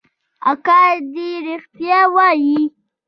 اکا دې ريښتيا وايي.